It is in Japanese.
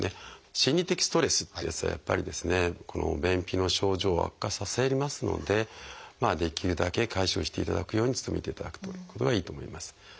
心理的ストレスというやつはやっぱりこの便秘の症状を悪化させますのでできるだけ解消していただくように努めていただくということがいいと思います。